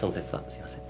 すいません。